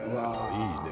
いいね。